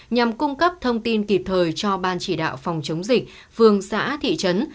nhằm cung cấp thông tin kịp thời cho ban chỉ đạo phòng chống dịch phường xã thị trấn